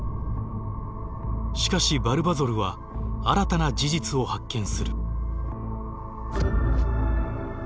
しかしヴァルヴァゾルは新たな事実を発見する。